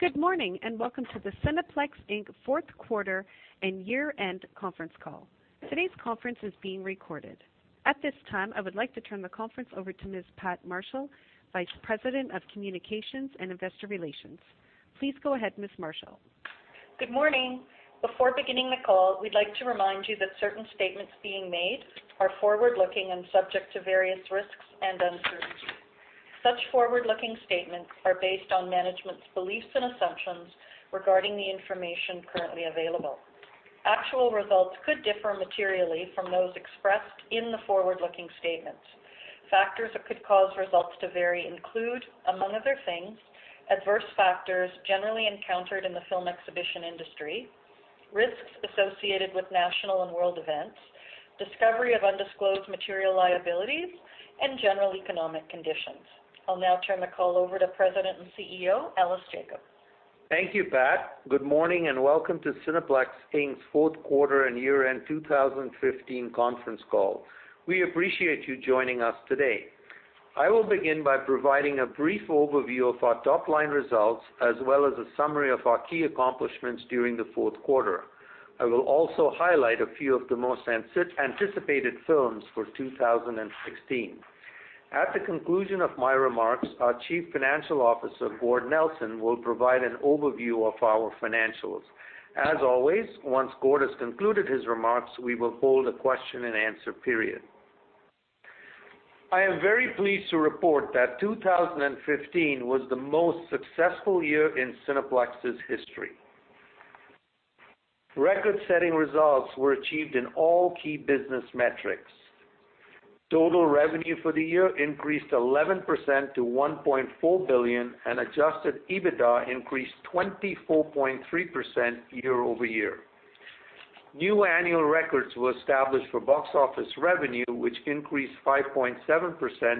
Good morning, and welcome to the Cineplex Inc. fourth quarter and year-end conference call. Today's conference is being recorded. At this time, I would like to turn the conference over to Ms. Pat Marshall, Vice President of Communications and Investor Relations. Please go ahead, Ms. Marshall. Good morning. Before beginning the call, we'd like to remind you that certain statements being made are forward-looking and subject to various risks and uncertainties. Such forward-looking statements are based on management's beliefs and assumptions regarding the information currently available. Actual results could differ materially from those expressed in the forward-looking statements. Factors that could cause results to vary include, among other things, adverse factors generally encountered in the film exhibition industry, risks associated with national and world events, discovery of undisclosed material liabilities, and general economic conditions. I'll now turn the call over to President and CEO, Ellis Jacob. Thank you, Pat. Good morning and welcome to Cineplex Inc.'s fourth quarter and year-end 2015 conference call. We appreciate you joining us today. I will begin by providing a brief overview of our top-line results, as well as a summary of our key accomplishments during the fourth quarter. I will also highlight a few of the most anticipated films for 2016. At the conclusion of my remarks, our Chief Financial Officer, Gord Nelson, will provide an overview of our financials. As always, once Gord has concluded his remarks, we will hold a question-and-answer period. I am very pleased to report that 2015 was the most successful year in Cineplex's history. Record-setting results were achieved in all key business metrics. Total revenue for the year increased 11% to 1.4 billion and Adjusted EBITDA increased 24.3% year-over-year. New annual records were established for box office revenue, which increased 5.7%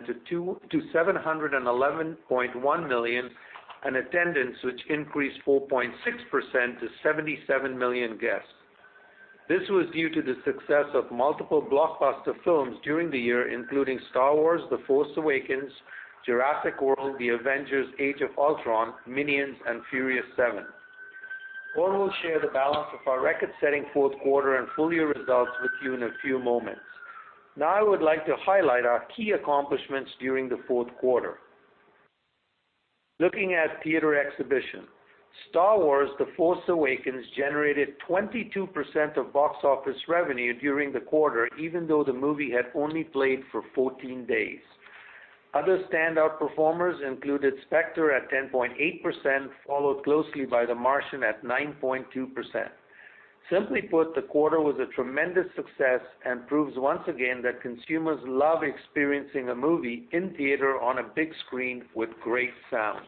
to 711.1 million, and attendance which increased 4.6% to 77 million guests. This was due to the success of multiple blockbuster films during the year, including "Star Wars: The Force Awakens", "Jurassic World", "The Avengers: Age of Ultron", "Minions", and "Furious 7". Gord will share the balance of our record-setting fourth quarter and full-year results with you in a few moments. Now, I would like to highlight our key accomplishments during the fourth quarter. Looking at theater exhibition. "Star Wars: The Force Awakens" generated 22% of box office revenue during the quarter, even though the movie had only played for 14 days. Other standout performers included "Spectre" at 10.8%, followed closely by "The Martian" at 9.2%. Simply put, the quarter was a tremendous success and proves once again that consumers love experiencing a movie in theater on a big screen with great sound.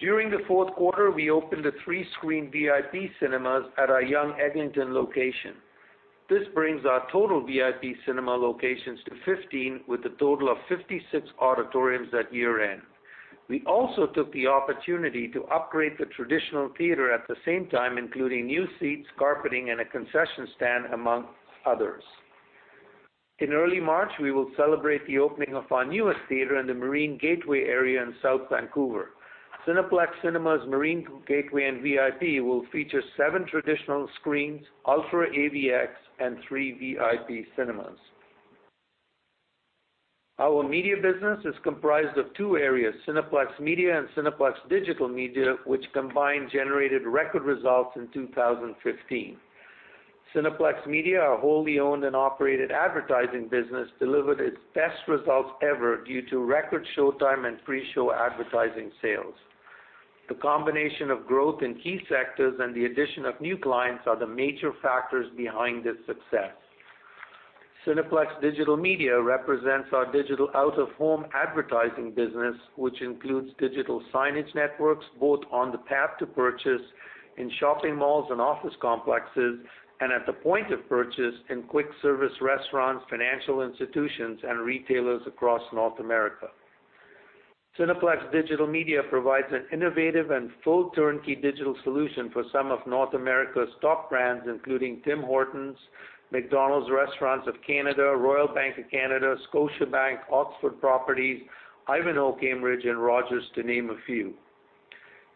During the fourth quarter, we opened a three-screen VIP Cinemas at our Yonge-Eglinton location. This brings our total VIP Cinema locations to 15, with a total of 56 auditoriums at year-end. We also took the opportunity to upgrade the traditional theater at the same time, including new seats, carpeting, and a concession stand, amongst others. In early March, we will celebrate the opening of our newest theater in the Marine Gateway area in South Vancouver. Cineplex Cinemas Marine Gateway and VIP will feature seven traditional screens, UltraAVX, and three VIP Cinemas. Our media business is comprised of two areas, Cineplex Media and Cineplex Digital Media, which combined generated record results in 2015. Cineplex Media, our wholly owned and operated advertising business, delivered its best results ever due to record showtime and pre-show advertising sales. The combination of growth in key sectors and the addition of new clients are the major factors behind this success. Cineplex Digital Media represents our digital out-of-home advertising business, which includes digital signage networks both on the path to purchase in shopping malls and office complexes, and at the point of purchase in quick-service restaurants, financial institutions, and retailers across North America. Cineplex Digital Media provides an innovative and full turnkey digital solution for some of North America's top brands, including Tim Hortons, McDonald's Restaurants of Canada, Royal Bank of Canada, Scotiabank, Oxford Properties, Ivanhoé Cambridge, and Rogers, to name a few.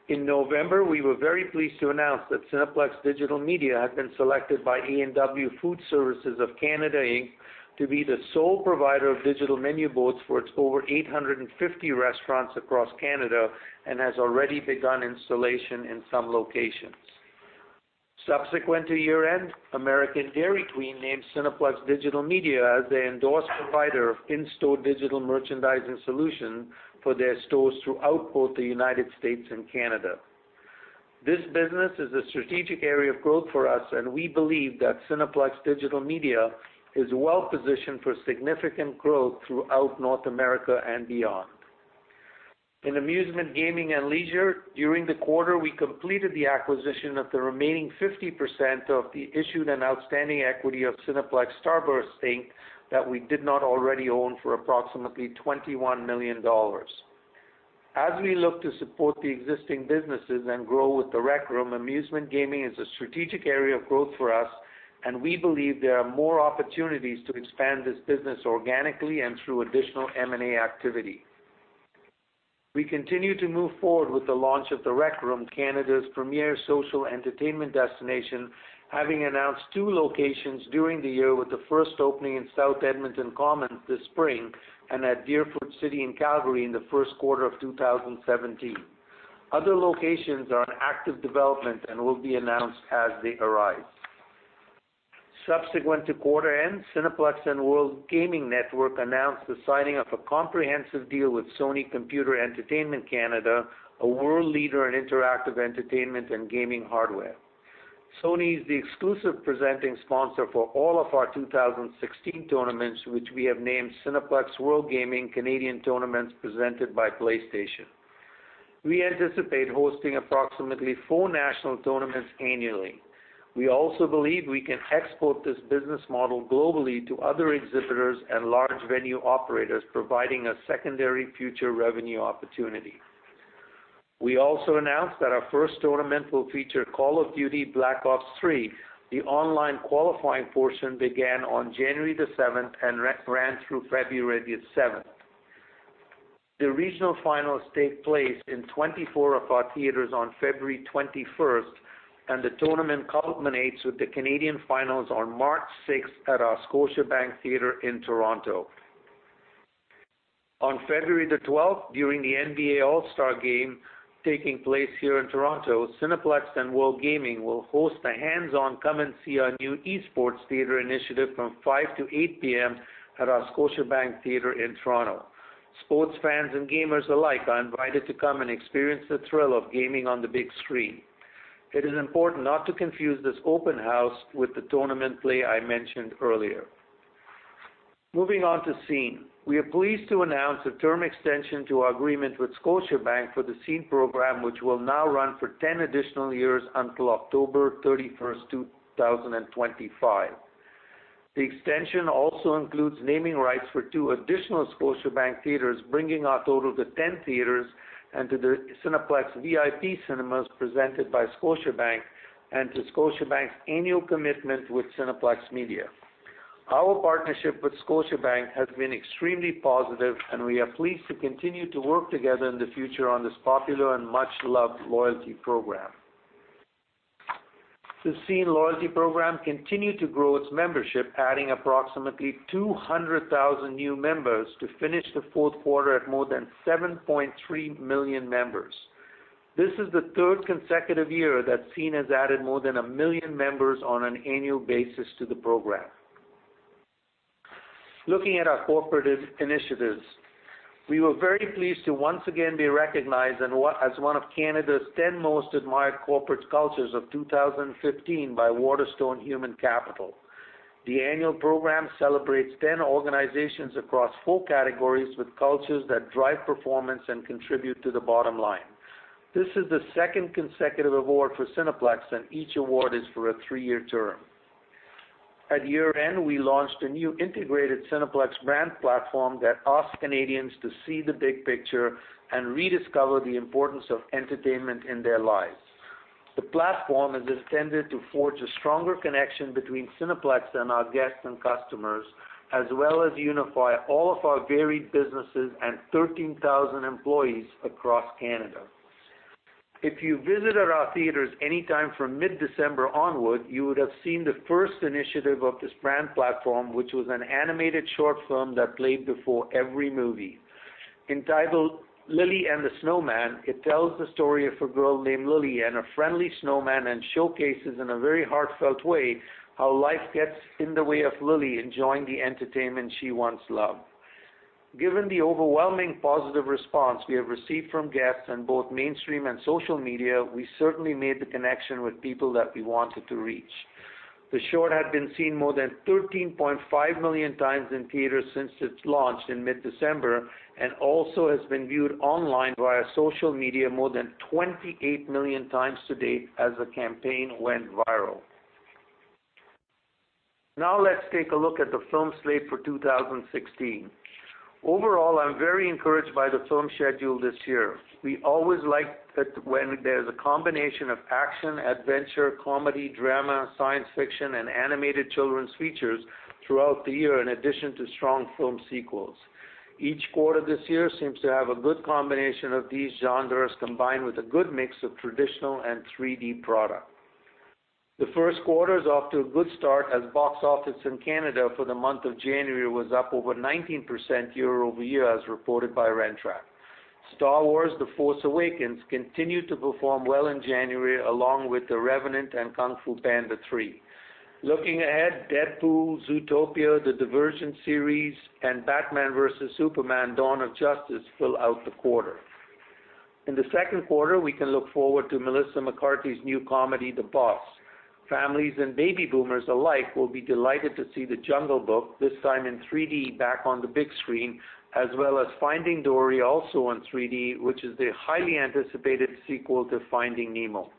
In November, we were very pleased to announce that Cineplex Digital Media had been selected by A&W Food Services of Canada Inc. to be the sole provider of digital menu boards for its over 850 restaurants across Canada and has already begun installation in some locations. Subsequent to year-end, American Dairy Queen named Cineplex Digital Media as their endorsed provider of in-store digital merchandising solution for their stores throughout both the U.S. and Canada. This business is a strategic area of growth for us, and we believe that Cineplex Digital Media is well-positioned for significant growth throughout North America and beyond. In Amusement, Gaming and Leisure, during the quarter, we completed the acquisition of the remaining 50% of the issued and outstanding equity of Cineplex Starburst Inc. that we did not already own for approximately 21 million dollars. As we look to support the existing businesses and grow with The Rec Room, Amusement Gaming is a strategic area of growth for us. We believe there are more opportunities to expand this business organically and through additional M&A activity. We continue to move forward with the launch of The Rec Room, Canada's premier social entertainment destination, having announced two locations during the year with the first opening in South Edmonton Common this spring, and at Deerfoot City in Calgary in the first quarter of 2017. Other locations are in active development and will be announced as they arrive. Subsequent to quarter end, Cineplex and WorldGaming Network announced the signing of a comprehensive deal with Sony Computer Entertainment Canada, a world leader in interactive entertainment and gaming hardware. Sony is the exclusive presenting sponsor for all of our 2016 tournaments, which we have named Cineplex WorldGaming Canadian Tournaments presented by PlayStation. We anticipate hosting approximately four national tournaments annually. We also believe we can export this business model globally to other exhibitors and large venue operators, providing a secondary future revenue opportunity. We also announced that our first tournament will feature Call of Duty: Black Ops III. The online qualifying portion began on January 7th and ran through February 7th. The regional finals take place in 24 of our theaters on February 21st, and the tournament culminates with the Canadian finals on March 6th at our Scotiabank Theatre in Toronto. On February 12th, during the NBA All-Star Game taking place here in Toronto, Cineplex and WorldGaming will host a hands-on come and see our new esports theater initiative from 5:00 P.M. to 8:00 P.M. at our Scotiabank Theatre in Toronto. Sports fans and gamers alike are invited to come and experience the thrill of gaming on the big screen. It is important not to confuse this open house with the tournament play I mentioned earlier. Moving on to Scene. We are pleased to announce a term extension to our agreement with Scotiabank for the Scene program, which will now run for 10 additional years until October 31st, 2025. The extension also includes naming rights for two additional Scotiabank theaters, bringing our total to 10 theaters, and to the Cineplex VIP Cinemas presented by Scotiabank, and to Scotiabank's annual commitment with Cineplex Media. Our partnership with Scotiabank has been extremely positive, and we are pleased to continue to work together in the future on this popular and much-loved loyalty program. The Scene loyalty program continued to grow its membership, adding approximately 200,000 new members to finish the fourth quarter at more than 7.3 million members. This is the third consecutive year that Scene has added more than a million members on an annual basis to the program. Looking at our corporate initiatives. We were very pleased to once again be recognized as one of Canada's 10 Most Admired Corporate Cultures of 2015 by Waterstone Human Capital. The annual program celebrates 10 organizations across four categories with cultures that drive performance and contribute to the bottom line. This is the second consecutive award for Cineplex, and each award is for a three-year term. At year-end, we launched a new integrated Cineplex brand platform that asks Canadians to see the big picture and rediscover the importance of entertainment in their lives. The platform is intended to forge a stronger connection between Cineplex and our guests and customers, as well as unify all of our varied businesses and 13,000 employees across Canada. If you visited our theaters anytime from mid-December onward, you would have seen the first initiative of this brand platform, which was an animated short film that played before every movie. Entitled "Lily & the Snowman," it tells the story of a girl named Lily and a friendly snowman and showcases in a very heartfelt way how life gets in the way of Lily enjoying the entertainment she once loved. Given the overwhelming positive response we have received from guests on both mainstream and social media, we certainly made the connection with people that we wanted to reach. The short has been seen more than 13.5 million times in theater since its launch in mid-December, and also has been viewed online via social media more than 28 million times to date as the campaign went viral. Let's take a look at the film slate for 2016. Overall, I am very encouraged by the film schedule this year. We always like when there is a combination of action, adventure, comedy, drama, science fiction, and animated children's features throughout the year, in addition to strong film sequels. Each quarter this year seems to have a good combination of these genres, combined with a good mix of traditional and 3D product. The first quarter is off to a good start as the box office in Canada for the month of January was up over 19% year-over-year, as reported by Rentrak. "Star Wars: The Force Awakens" continued to perform well in January, along with "The Revenant" and "Kung Fu Panda 3." Looking ahead, "Deadpool," "Zootopia," The Divergent Series, and "Batman v Superman: Dawn of Justice" fill out the quarter. In the second quarter, we can look forward to Melissa McCarthy's new comedy, "The Boss." Families and baby boomers alike will be delighted to see "The Jungle Book," this time in 3D, back on the big screen, as well as "Finding Dory," also in 3D, which is the highly anticipated sequel to "Finding Nemo."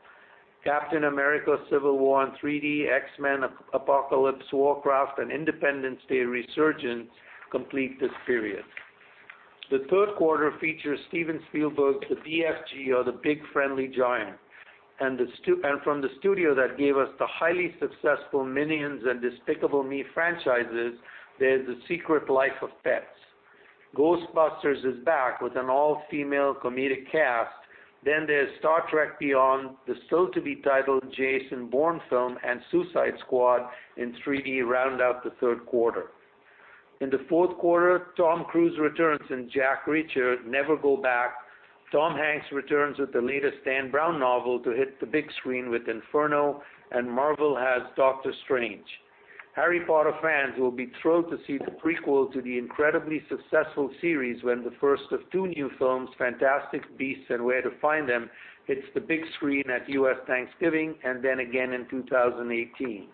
"Captain America: Civil War" in 3D, "X-Men: Apocalypse," "Warcraft," and "Independence Day: Resurgence" complete this period. The third quarter features Steven Spielberg's "The BFG" or the "Big Friendly Giant." From the studio that gave us the highly successful "Minions" and "Despicable Me" franchises, there is "The Secret Life of Pets." "Ghostbusters" is back with an all-female comedic cast. There is "Star Trek Beyond," the still to be titled Jason Bourne film, and "Suicide Squad" in 3D round out the third quarter. In the fourth quarter, Tom Cruise returns in "Jack Reacher: Never Go Back," Tom Hanks returns with the latest Dan Brown novel to hit the big screen with "Inferno," and Marvel has "Doctor Strange." Harry Potter fans will be thrilled to see the prequel to the incredibly successful series when the first of two new films, "Fantastic Beasts and Where to Find Them," hits the big screen at U.S. Thanksgiving and then again in 2018.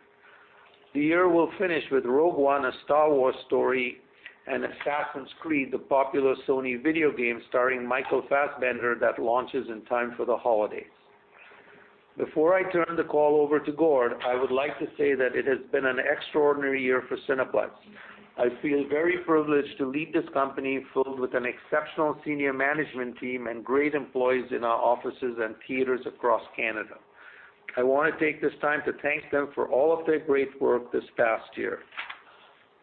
The year will finish with "Rogue One: A Star Wars Story" and "Assassin's Creed," the popular Sony video game starring Michael Fassbender that launches in time for the holidays. Before I turn the call over to Gord, I would like to say that it has been an extraordinary year for Cineplex. I feel very privileged to lead this company filled with an exceptional senior management team and great employees in our offices and theaters across Canada. I want to take this time to thank them for all of their great work this past year.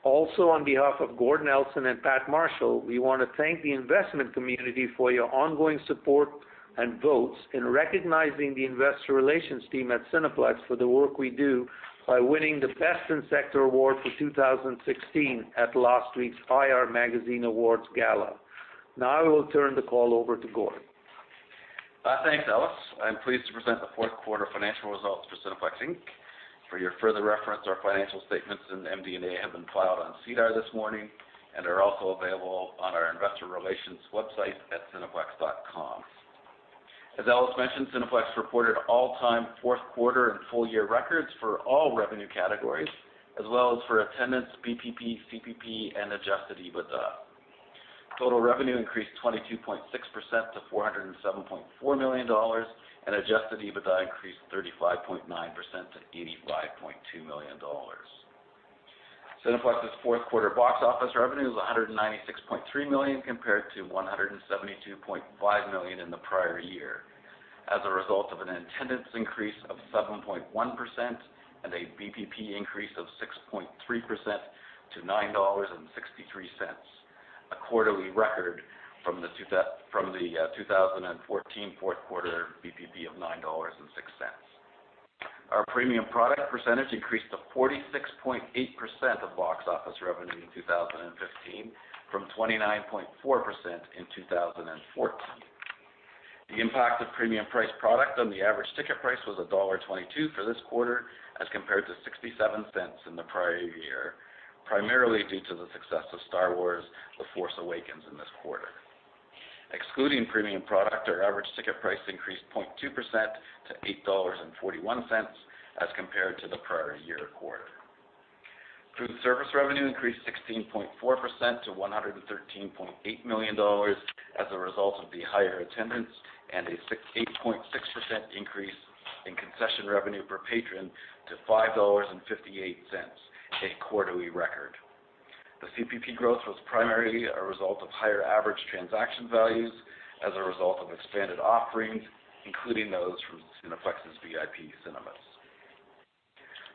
Also, on behalf of Gord Nelson and Pat Marshall, we want to thank the investment community for your ongoing support and votes in recognizing the investor relations team at Cineplex for the work we do by winning the Best in Sector Award for 2016 at last week's IR Magazine Awards Gala. Now I will turn the call over to Gord. Thanks, Ellis. I am pleased to present the fourth quarter financial results for Cineplex Inc. For your further reference, our financial statements and MD&A have been filed on SEDAR this morning and are also available on our investor relations website at cineplex.com. As Ellis mentioned, Cineplex reported all-time fourth quarter and full year records for all revenue categories, as well as for attendance, BPP, CPP, and adjusted EBITDA. Total revenue increased 22.6% to 407.4 million dollars. adjusted EBITDA increased 35.9% to 85.2 million dollars. Cineplex's fourth quarter box office revenue was 196.3 million compared to 172.5 million in the prior year, as a result of an attendance increase of 7.1% and a BPP increase of 6.3% to CAD 9.63, a quarterly record from the 2014 fourth quarter BPP of 9.06 dollars. Our premium product percentage increased to 46.8% of box office revenue in 2015 from 29.4% in 2014. The impact of premium priced product on the average ticket price was dollar 1.22 for this quarter as compared to 0.67 in the prior year, primarily due to the success of "Star Wars: The Force Awakens" in this quarter. Excluding premium product, our average ticket price increased 0.2% to 8.41 dollars as compared to the prior year quarter. Food service revenue increased 16.4% to 113.8 million dollars as a result of the higher attendance and a 68.6% increase in concession revenue per patron to 5.58 dollars, a quarterly record. The CPP growth was primarily a result of higher average transaction values as a result of expanded offerings, including those from Cineplex's VIP Cinemas.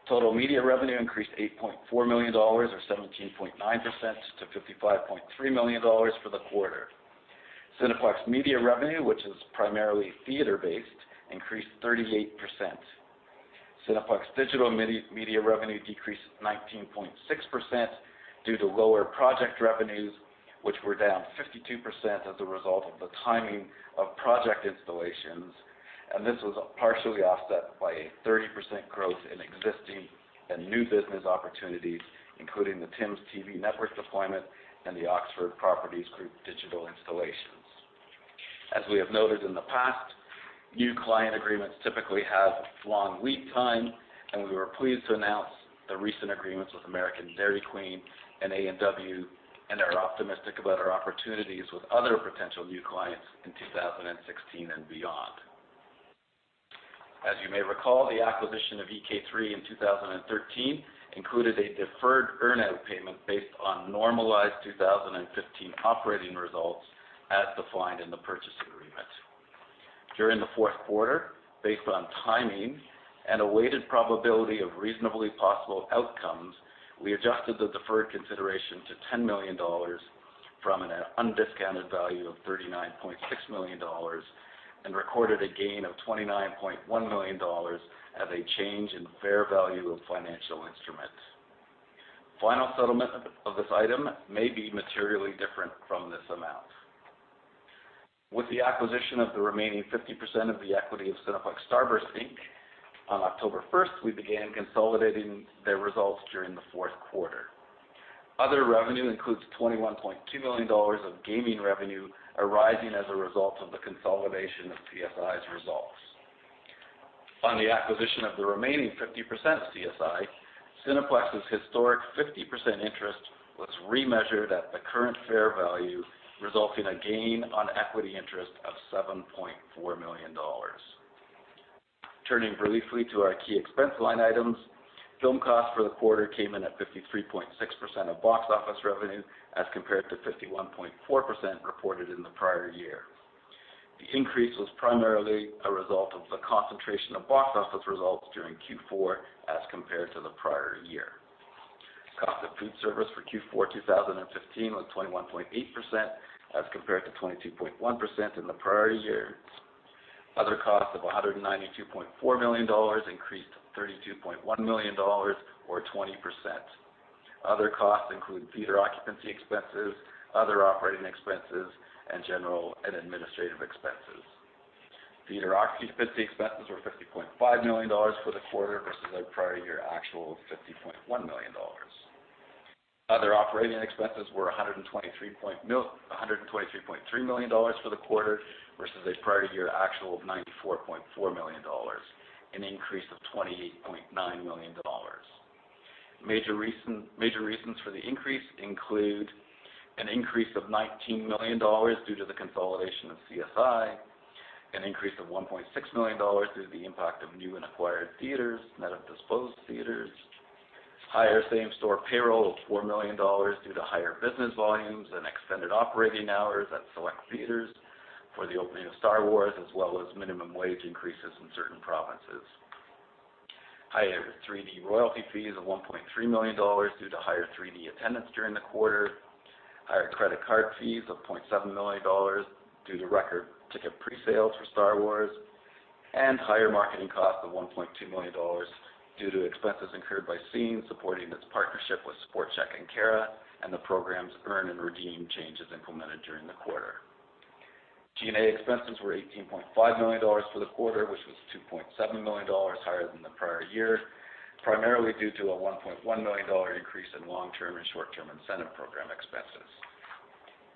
Total media revenue increased 8.4 million dollars, or 17.9%, to 55.3 million dollars for the quarter. Cineplex Media revenue, which is primarily theater-based, increased 38%. Cineplex Digital Media revenue decreased 19.6% due to lower project revenues, which were down 52% as a result of the timing of project installations. This was partially offset by a 30% growth in existing and new business opportunities, including the TimsTV network deployment and the Oxford Properties Group digital installations. As we have noted in the past, new client agreements typically have a long lead time, and we were pleased to announce the recent agreements with American Dairy Queen and A&W and are optimistic about our opportunities with other potential new clients in 2016 and beyond. As you may recall, the acquisition of EK3 in 2013 included a deferred earn-out payment based on normalized 2015 operating results as defined in the purchase agreement. During the fourth quarter, based on timing and a weighted probability of reasonably possible outcomes, we adjusted the deferred consideration to 10 million dollars from an undiscounted value of 39.6 million dollars and recorded a gain of 29.1 million dollars as a change in fair value of financial instruments. Final settlement of this item may be materially different from this amount. With the acquisition of the remaining 50% of the equity of Cineplex Starburst Inc. on October 1st, we began consolidating their results during the fourth quarter. Other revenue includes 21.2 million dollars of gaming revenue arising as a result of the consolidation of CSI's results. On the acquisition of the remaining 50% of CSI, Cineplex's historic 50% interest was remeasured at the current fair value, resulting in a gain on equity interest of 7.4 million dollars. Turning briefly to our key expense line items. Film cost for the quarter came in at 53.6% of box office revenue, as compared to 51.4% reported in the prior year. The increase was primarily a result of the concentration of box office results during Q4 as compared to the prior year. Cost of food service for Q4 2015 was 21.8%, as compared to 22.1% in the prior year. Other costs of 192.4 million dollars increased to 32.1 million dollars, or 20%. Other costs include theater occupancy expenses, other operating expenses, and general and administrative expenses. Theater occupancy expenses were 50.5 million dollars for the quarter versus our prior year actual of 50.1 million dollars. Other operating expenses were 123.3 million dollars for the quarter versus a prior year actual of 94.4 million dollars, an increase of 28.9 million dollars. Major reasons for the increase include an increase of 19 million dollars due to the consolidation of CSI, an increase of 1.6 million dollars due to the impact of new and acquired theaters, net of disposed theaters, higher same-store payroll of 4 million dollars due to higher business volumes and extended operating hours at select theaters for the opening of Star Wars, as well as minimum wage increases in certain provinces. Higher 3D royalty fees of 1.3 million dollars due to higher 3D attendance during the quarter, higher credit card fees of 0.7 million dollars due to record ticket pre-sales for Star Wars, and higher marketing costs of 1.2 million dollars due to expenses incurred by Scene supporting its partnership with Sport Chek and Cara, and the programs earn and redeem changes implemented during the quarter. G&A expenses were 18.5 million dollars for the quarter, which was 2.7 million dollars higher than the prior year, primarily due to a 1.1 million dollar increase in long-term and short-term incentive program expenses.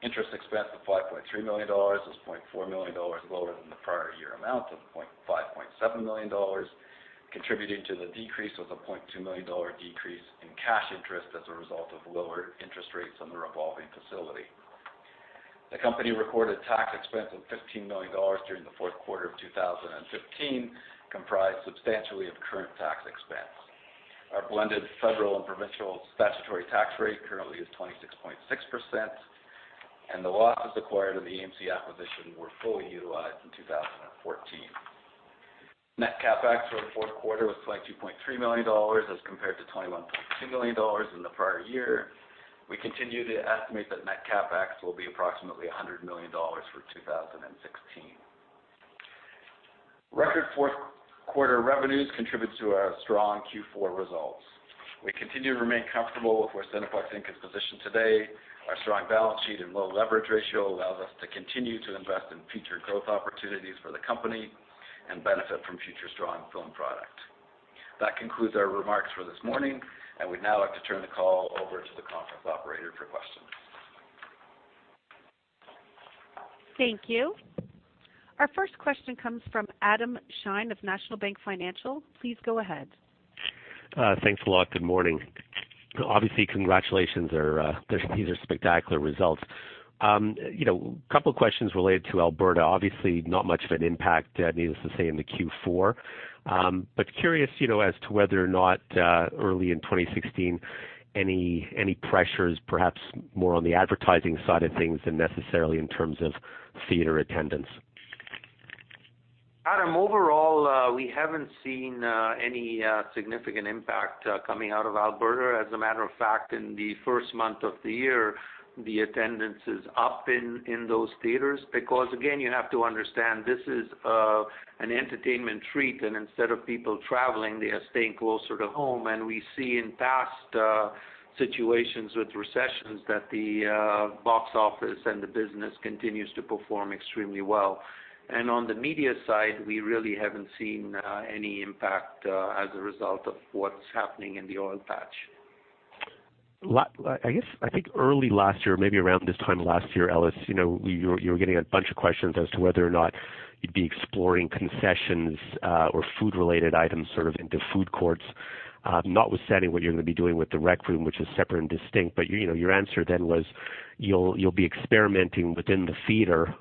Interest expense of 5.3 million dollars was 0.4 million dollars lower than the prior year amount of 5.7 million dollars. Contributing to the decrease was a 0.2 million dollar decrease in cash interest as a result of lower interest rates on the revolving facility. The company recorded tax expense of 15 million dollars during the fourth quarter of 2015, comprised substantially of current tax expense. Our blended federal and provincial statutory tax rate currently is 26.6%, and the losses acquired in the AMC acquisition were fully utilized in 2014. Net CapEx for the fourth quarter was 22.3 million dollars as compared to 21.2 million dollars in the prior year. We continue to estimate that net CapEx will be approximately 100 million dollars for 2016. Record fourth quarter revenues contribute to our strong Q4 results. We continue to remain comfortable with where Cineplex Inc. is positioned today. Our strong balance sheet and low leverage ratio allows us to continue to invest in future growth opportunities for the company and benefit from future strong film product. That concludes our remarks for this morning, and we'd now like to turn the call over to the conference operator for questions. Thank you. Our first question comes from Adam Shine of National Bank Financial. Please go ahead. Thanks a lot. Good morning. Obviously, congratulations. These are spectacular results. A couple of questions related to Alberta. Obviously, not much of an impact, needless to say, in the Q4. Curious as to whether or not early in 2016, any pressures, perhaps more on the advertising side of things than necessarily in terms of theater attendance. Adam, overall, we haven't seen any significant impact coming out of Alberta. As a matter of fact, in the first month of the year, the attendance is up in those theaters because, again, you have to understand this is an entertainment treat, and instead of people traveling, they are staying closer to home. We see in past situations with recessions that the box office and the business continues to perform extremely well. On the media side, we really haven't seen any impact as a result of what's happening in the oil patch. I think early last year, maybe around this time last year, Ellis, you were getting a bunch of questions as to whether or not you'd be exploring concessions or food-related items into food courts, notwithstanding what you're going to be doing with The Rec Room, which is separate and distinct. Your answer then was you'll be experimenting within the theater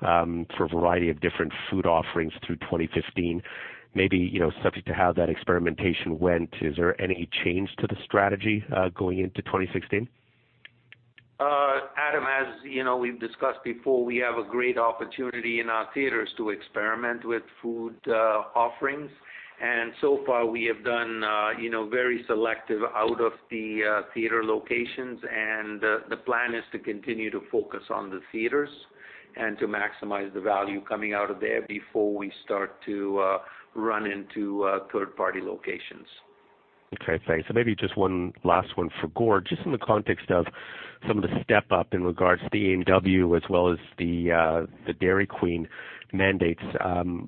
for a variety of different food offerings through 2015. Maybe subject to how that experimentation went, is there any change to the strategy going into 2016? Adam, as we've discussed before, we have a great opportunity in our theaters to experiment with food offerings. So far, we have done very selective out of the theater locations, and the plan is to continue to focus on the theaters and to maximize the value coming out of there before we start to run into third-party locations. Okay, thanks. Maybe just one last one for Gord. Just in the context of some of the step-up in regards to the A&W as well as the Dairy Queen mandates.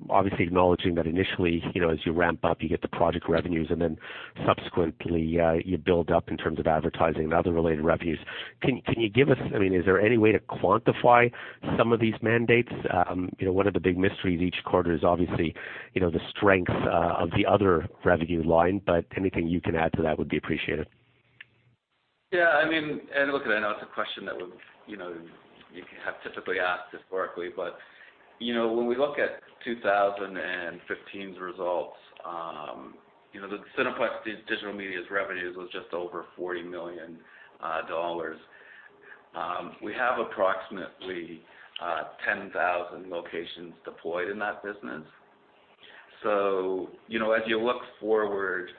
Obviously acknowledging that initially, as you ramp up, you get the project revenues, and then subsequently, you build up in terms of advertising and other related revenues. Is there any way to quantify some of these mandates? One of the big mysteries each quarter is obviously the strength of the other revenue line, but anything you can add to that would be appreciated. Yeah. Look, I know it's a question that you have typically asked historically, but when we look at 2015's results, Cineplex Digital Media's revenues was just over 40 million dollars. We have approximately 10,000 locations deployed in that business. As you look forward,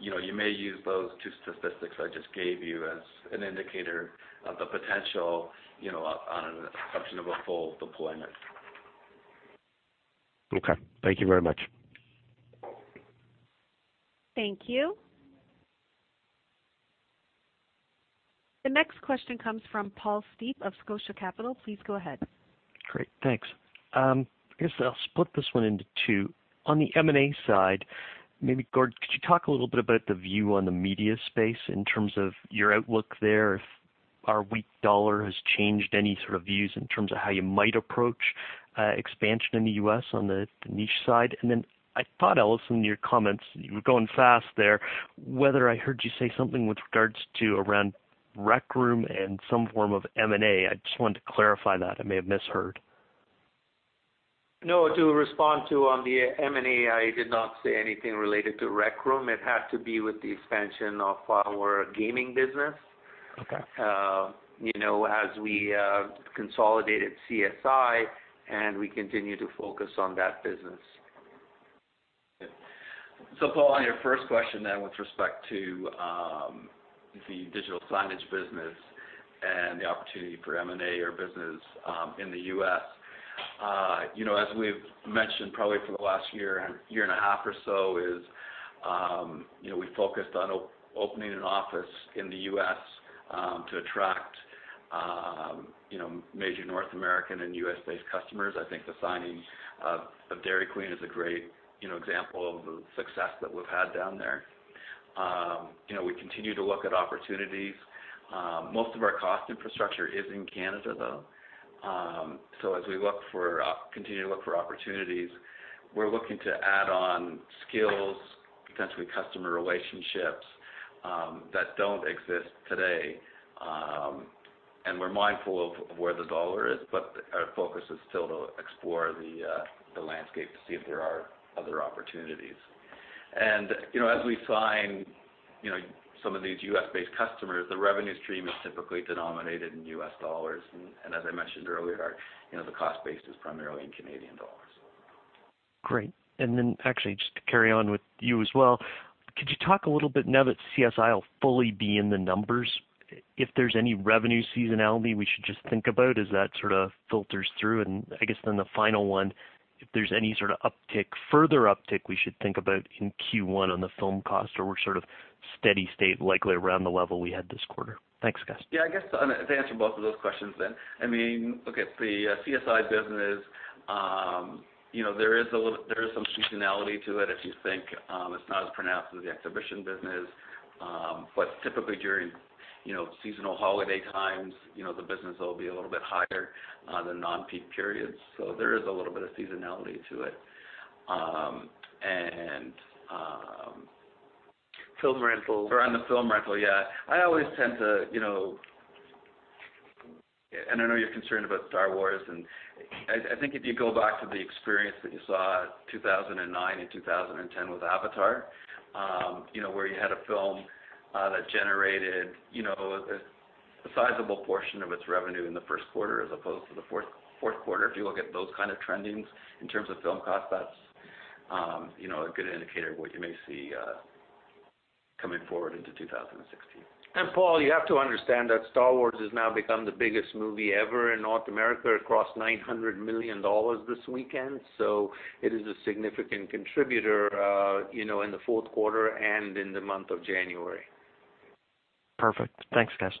you may use those two statistics I just gave you as an indicator of the potential on an assumption of a full deployment. Okay. Thank you very much. Thank you. The next question comes from Paul Steep of Scotia Capital. Please go ahead. Great. Thanks. I guess I'll split this one into two. On the M&A side, maybe Gord, could you talk a little bit about the view on the media space in terms of your outlook there, if our weak dollar has changed any sort of views in terms of how you might approach expansion in the U.S. on the niche side? Then I thought, Aravinda, your comments, you were going fast there, whether I heard you say something with regards to around The Rec Room and some form of M&A. I just wanted to clarify that. I may have misheard. No, to respond to on the M&A, I did not say anything related to The Rec Room. It had to be with the expansion of our gaming business. Okay. As we consolidated CSI and we continue to focus on that business. Paul, on your first question then with respect to the digital signage business and the opportunity for M&A or business in the U.S., as we've mentioned, probably for the last year and a half or so, is we focused on opening an office in the U.S. to attract major North American and U.S.-based customers. I think the signing of Dairy Queen is a great example of the success that we've had down there. We continue to look at opportunities. Most of our cost infrastructure is in Canada, though. As we continue to look for opportunities, we're looking to add on skills, potentially customer relationships that don't exist today. We're mindful of where the dollar is, but our focus is still to explore the landscape to see if there are other opportunities. As we sign some of these U.S.-based customers, the revenue stream is typically denominated in U.S. dollars. As I mentioned earlier, the cost base is primarily in Canadian dollars. Great. Then actually, just to carry on with you as well, could you talk a little now that CSI will fully be in the numbers, if there's any revenue seasonality we should just think about as that sort of filters through? I guess then the final one, if there's any sort of further uptick we should think about in Q1 on the film cost, or we're sort of steady state likely around the level we had this quarter. Thanks, guys. I guess to answer both of those questions. Look at the CSI business. There is some seasonality to it, if you think it's not as pronounced as the exhibition business. Typically during seasonal holiday times, the business will be a little bit higher than non-peak periods. There is a little bit of seasonality to it. Film rental. Around the film rental, yeah. I know you're concerned about Star Wars, I think if you go back to the experience that you saw 2009 and 2010 with Avatar, where you had a film that generated a sizable portion of its revenue in the first quarter as opposed to the fourth quarter. If you look at those kind of trendings in terms of film cost, that's a good indicator of what you may see coming forward into 2016. Paul, you have to understand that Star Wars has now become the biggest movie ever in North America. It crossed $900 million this weekend, it is a significant contributor in the fourth quarter and in the month of January. Perfect. Thanks, guys.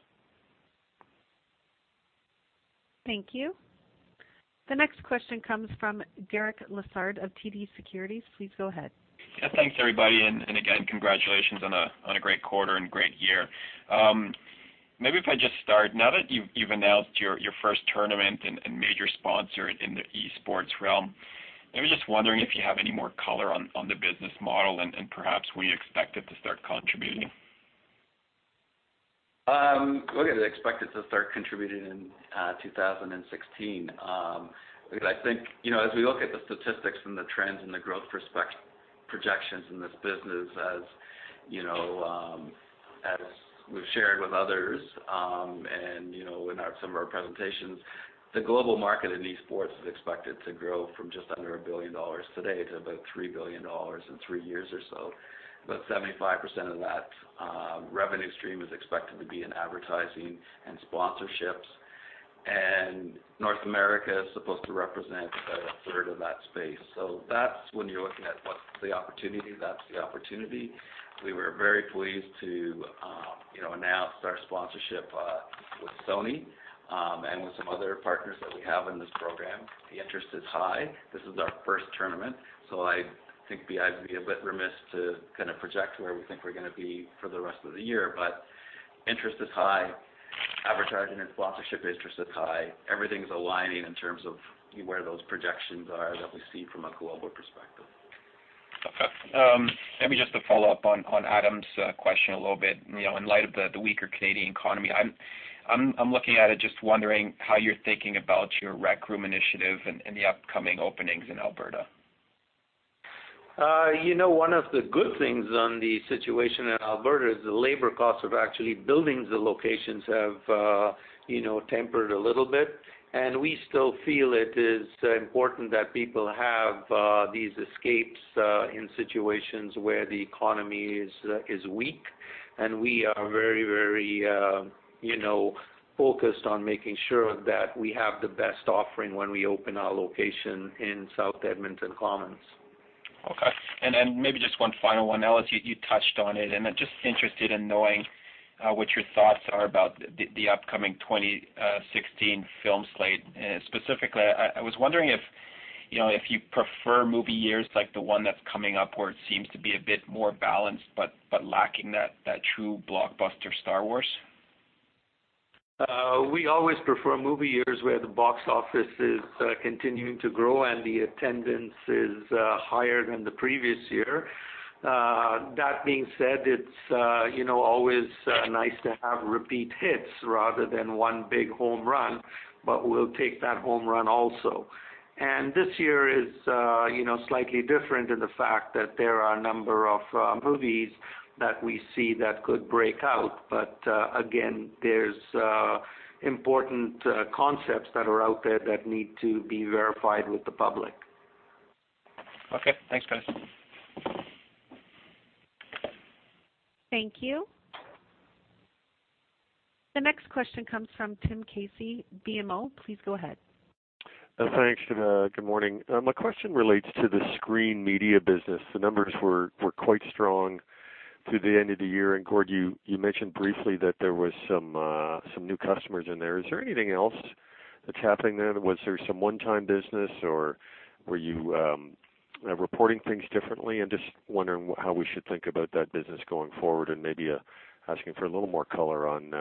Thank you. The next question comes from Derek Lessard of TD Securities. Please go ahead. Yeah, thanks, everybody. Again, congratulations on a great quarter and great year. Maybe if I just start, now that you've announced your first tournament and major sponsor in the esports realm, maybe just wondering if you have any more color on the business model and perhaps when you expect it to start contributing. We're going to expect it to start contributing in 2016. I think as we look at the statistics and the trends and the growth projections in this business as we've shared with others, in some of our presentations, the global market in esports is expected to grow from just under 1 billion dollars today to about 3 billion dollars in three years or so. About 75% of that revenue stream is expected to be in advertising and sponsorships. North America is supposed to represent about a third of that space. That's when you're looking at what's the opportunity, that's the opportunity. We were very pleased to announce our sponsorship with Sony, with some other partners that we have in this program. The interest is high. This is our first tournament. I think I'd be a bit remiss to kind of project where we think we're going to be for the rest of the year. Interest is high. Advertising and sponsorship interest is high. Everything's aligning in terms of where those projections are that we see from a global perspective. Okay. Maybe just to follow up on Adam's question a little bit. In light of the weaker Canadian economy, I'm looking at it, just wondering how you're thinking about your The Rec Room initiative and the upcoming openings in Alberta. One of the good things on the situation in Alberta is the labor cost of actually building the locations have tempered a little bit. We still feel it is important that people have these escapes in situations where the economy is weak. We are very focused on making sure that we have the best offering when we open our location in South Edmonton Common. Okay. Maybe just one final one. Ellis, you touched on it. I'm just interested in knowing what your thoughts are about the upcoming 2016 film slate. Specifically, I was wondering if you prefer movie years like the one that's coming up where it seems to be a bit more balanced but lacking that true blockbuster Star Wars? We always prefer movie years where the box office is continuing to grow and the attendance is higher than the previous year. That being said, it's always nice to have repeat hits rather than one big home run, but we'll take that home run also. This year is slightly different in the fact that there are a number of movies that we see that could break out. Again, there's important concepts that are out there that need to be verified with the public. Okay. Thanks, guys. Thank you. The next question comes from Tim Casey, BMO. Please go ahead. Thanks. Good morning. My question relates to the screen media business. The numbers were quite strong through the end of the year. Gord, you mentioned briefly that there was some new customers in there. Is there anything else that's happening there? Was there some one-time business or were you reporting things differently? I'm just wondering how we should think about that business going forward and maybe asking for a little more color on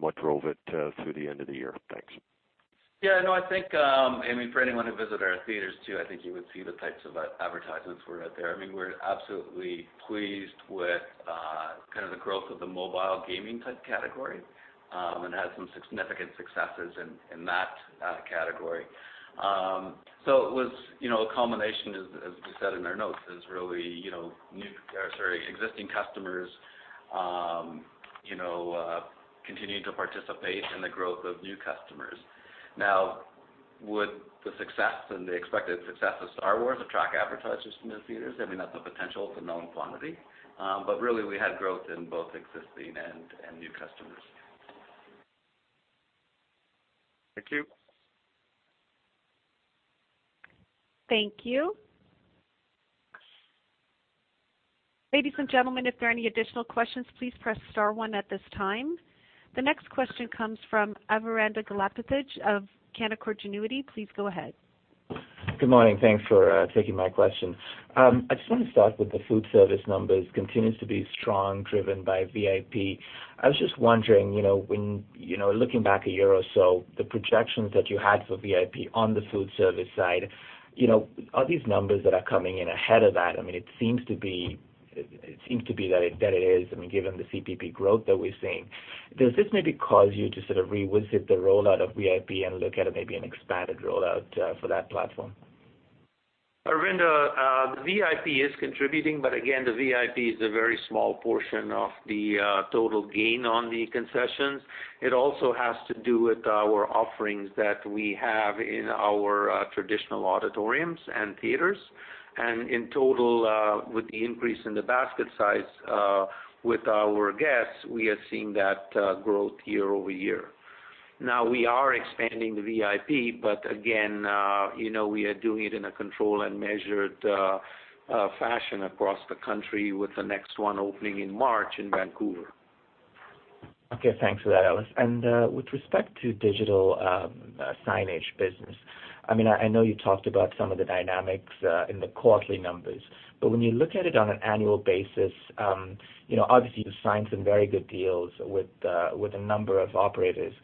what drove it through the end of the year. Thanks. Yeah, I know. I think, for anyone who visited our theaters too, I think you would see the types of advertisements were out there. We are absolutely pleased with the growth of the mobile gaming type category, and had some significant successes in that category. It was a combination, as we said in our notes, is really existing customers continuing to participate and the growth of new customers. Would the success and the expected success of Star Wars attract advertisers to move theaters? That is a potential. It is a known quantity. Really, we had growth in both existing and new customers. Thank you. Thank you. Ladies and gentlemen, if there are any additional questions, please press star one at this time. The next question comes from Aravinda Galappatthige of Canaccord Genuity. Please go ahead. Good morning. Thanks for taking my question. I just want to start with the food service numbers, continues to be strong, driven by VIP. I was just wondering, looking back a year or so, the projections that you had for VIP on the food service side, are these numbers that are coming in ahead of that? It seems to be that it is, given the CPP growth that we are seeing. Does this maybe cause you to sort of revisit the rollout of VIP and look at maybe an expanded rollout for that platform? Aravinda, the VIP is contributing, but again, the VIP is a very small portion of the total gain on the concessions. It also has to do with our offerings that we have in our traditional auditoriums and theaters. In total, with the increase in the basket size with our guests, we are seeing that growth year-over-year. We are expanding the VIP, but again we are doing it in a controlled and measured fashion across the country with the next one opening in March in Vancouver. Okay. Thanks for that, Ellis. With respect to digital signage business, I know you talked about some of the dynamics in the quarterly numbers, but when you look at it on an annual basis, obviously you've signed some very good deals with a number of operators.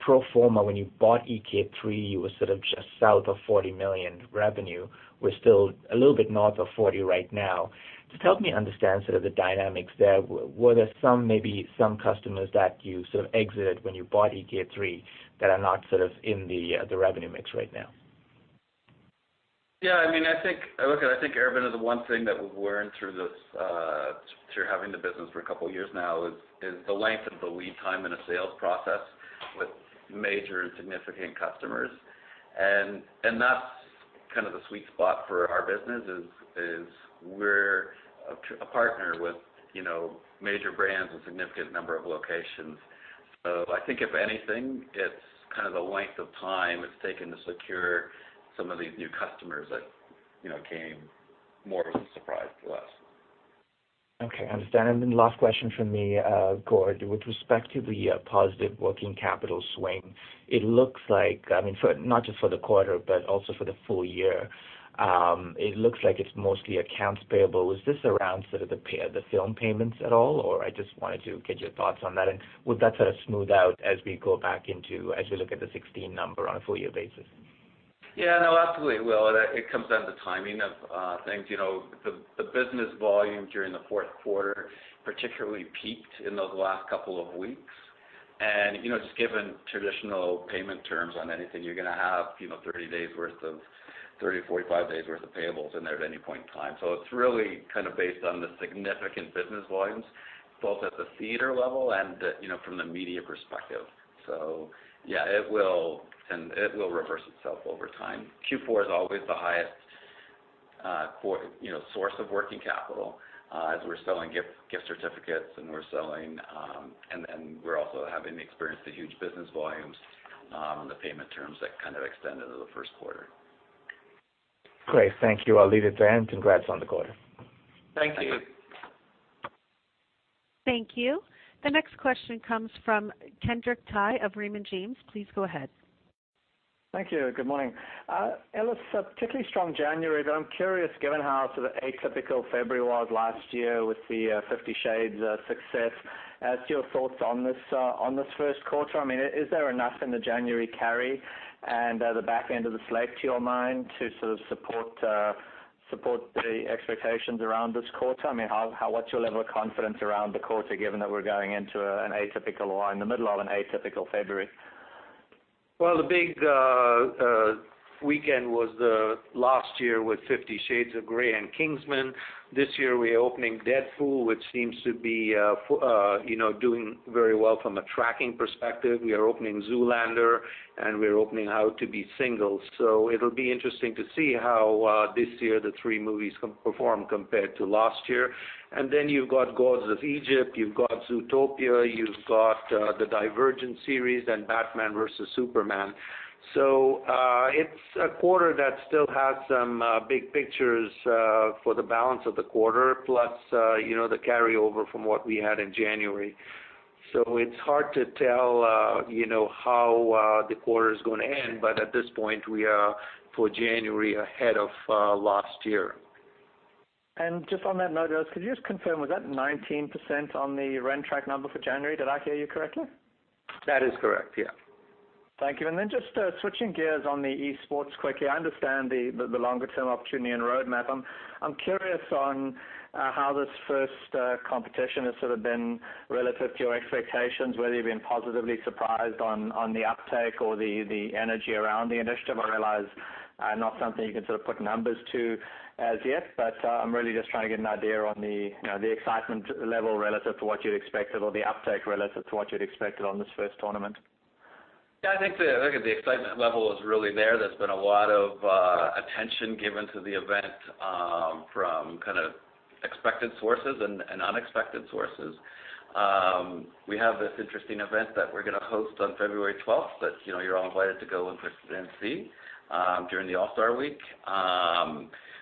Pro forma, when you bought EK3, you were sort of just south of 40 million revenue. We're still a little bit north of 40 right now. Just help me understand sort of the dynamics there. Were there maybe some customers that you sort of exited when you bought EK3 that are not in the revenue mix right now? Yeah, I think, Aravinda, the one thing that we've learned through having the business for a couple of years now is the length of the lead time in a sales process with major and significant customers. That's kind of the sweet spot for our business is we're a partner with major brands with a significant number of locations. I think if anything, it's kind of the length of time it's taken to secure some of these new customers that came more as a surprise to us. Okay, understood. Then last question from me, Gord. With respect to the positive working capital swing, it looks like, not just for the quarter, but also for the full year, it looks like it's mostly accounts payable. Is this around sort of the film payments at all, or I just wanted to get your thoughts on that, and would that sort of smooth out as we look at the 2016 number on a full year basis? No, absolutely it will. It comes down to timing of things. The business volume during the fourth quarter particularly peaked in those last couple of weeks. Given traditional payment terms on anything, you're going to have 30-45 days worth of payables in there at any point in time. It's really based on the significant business volumes, both at the theater level and from the media perspective. It will reverse itself over time. Q4 is always the highest source of working capital as we're selling gift certificates, and we're also having experienced the huge business volumes on the payment terms that extend into the first quarter. Great. Thank you. I'll leave it there, and congrats on the quarter. Thank you. Thank you. Thank you. The next question comes from Kenric Tyghe of Raymond James. Please go ahead. Thank you. Good morning. Ellis, particularly strong January, I'm curious, given how sort of atypical February was last year with the "50 Shades" success, as to your thoughts on this first quarter. Is there enough in the January carry and the back end of the slate to your mind to support the expectations around this quarter? What's your level of confidence around the quarter, given that we're going into an atypical or in the middle of an atypical February? Well, the big weekend was the last year with "50 Shades of Grey" and "Kingsman." This year we're opening "Deadpool", which seems to be doing very well from a tracking perspective. We are opening "Zoolander" and we're opening "How to Be Single." It'll be interesting to see how this year the three movies perform compared to last year. You've got "Gods of Egypt", you've got "Zootopia", you've got the "Divergent" series, and "Batman versus Superman." It's a quarter that still has some big pictures for the balance of the quarter, plus the carryover from what we had in January. It's hard to tell how the quarter's going to end, but at this point, we are, for January, ahead of last year. Just on that note, Ellis, could you just confirm, was that 19% on the Rentrak number for January? Did I hear you correctly? That is correct. Yeah. Thank you. Then just switching gears on the esports quickly. I understand the longer-term opportunity and roadmap. I'm curious on how this first competition has sort of been relative to your expectations, whether you've been positively surprised on the uptake or the energy around the initiative. I realize not something you can sort of put numbers to as yet, but I'm really just trying to get an idea on the excitement level relative to what you'd expected or the uptake relative to what you'd expected on this first tournament. Yeah, I think the excitement level is really there. There's been a lot of attention given to the event from kind of expected sources and unexpected sources. We have this interesting event that we're going to host on February 12th that you're all invited to go and see during the All-Star Week.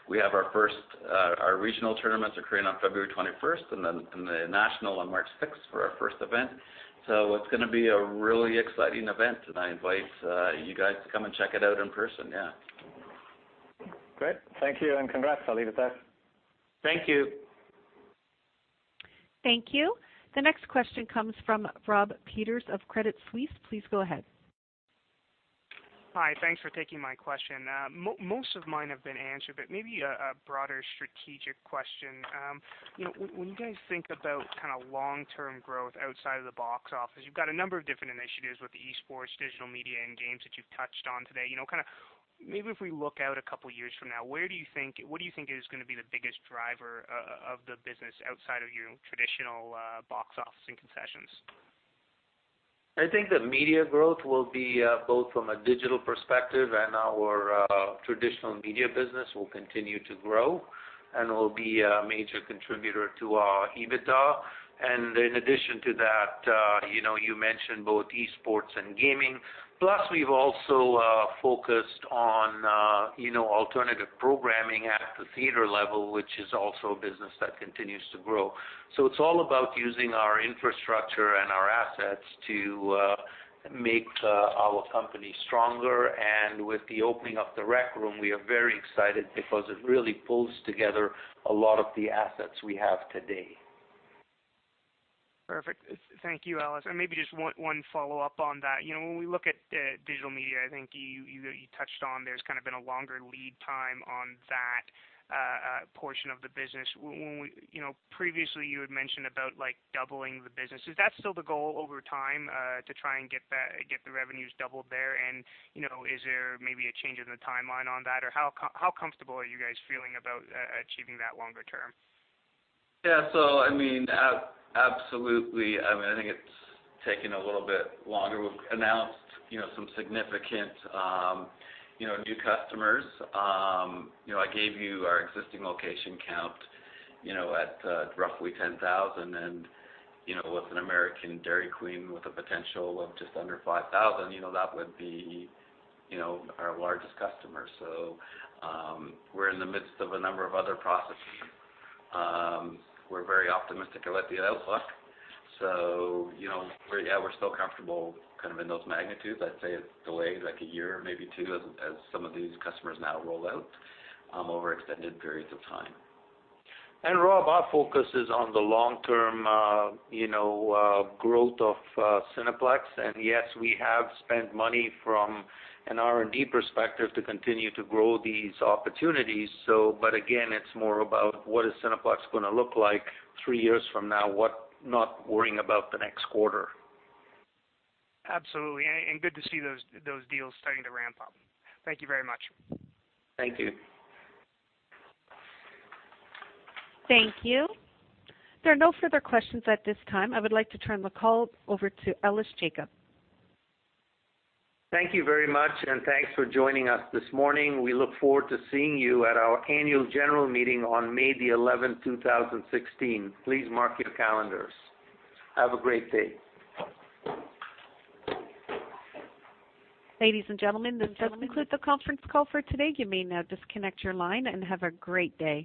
We have our regional tournaments occurring on February 21st and the national on March 6th for our first event. It's going to be a really exciting event, and I invite you guys to come and check it out in person. Yeah. Great. Thank you and congrats. I'll leave it there. Thank you. Thank you. The next question comes from Rob Peters of Credit Suisse. Please go ahead. Hi. Thanks for taking my question. Most of mine have been answered, but maybe a broader strategic question. When you guys think about long-term growth outside of the box office, you've got a number of different initiatives with esports, digital media, and games that you've touched on today. Maybe if we look out a couple of years from now, what do you think is going to be the biggest driver of the business outside of your traditional box office and concessions? I think the media growth will be both from a digital perspective and our traditional media business will continue to grow and will be a major contributor to our EBITDA. In addition to that, you mentioned both esports and gaming, plus we've also focused on alternative programming at the theater level, which is also a business that continues to grow. It's all about using our infrastructure and our assets to make our company stronger. With the opening of The Rec Room, we are very excited because it really pulls together a lot of the assets we have today. Perfect. Thank you, Ellis. Maybe just one follow-up on that. When we look at digital media, I think you touched on there's kind of been a longer lead time on that portion of the business. Previously you had mentioned about doubling the business. Is that still the goal over time to try and get the revenues doubled there? Is there maybe a change in the timeline on that? How comfortable are you guys feeling about achieving that longer term? Yeah. Absolutely. I think it's taken a little bit longer. We've announced some significant new customers. I gave you our existing location count at roughly 10,000, and with an American Dairy Queen with a potential of just under 5,000, that would be our largest customer. We're in the midst of a number of other processes. We're very optimistic about the outlook. Yeah, we're still comfortable in those magnitudes. I'd say it's delayed like a year, maybe two, as some of these customers now roll out over extended periods of time. Rob, our focus is on the long-term growth of Cineplex. Yes, we have spent money from an R&D perspective to continue to grow these opportunities. Again, it's more about what is Cineplex going to look like three years from now, not worrying about the next quarter. Absolutely. Good to see those deals starting to ramp up. Thank you very much. Thank you. Thank you. There are no further questions at this time. I would like to turn the call over to Ellis Jacob. Thank you very much, and thanks for joining us this morning. We look forward to seeing you at our annual general meeting on May the 11th, 2016. Please mark your calendars. Have a great day. Ladies and gentlemen, this does conclude the conference call for today. You may now disconnect your line, and have a great day.